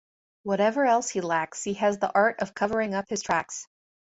Whatever else he lacks, he has the art of covering up his tracks.